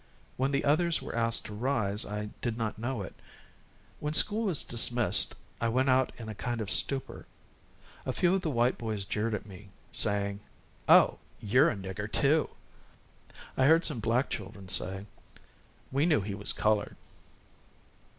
When the others were asked to rise, I did not know it. When school was dismissed, I went out in a kind of stupor. A few of the white boys jeered me, saying: "Oh, you're a nigger too." I heard some black children say: "We knew he was colored."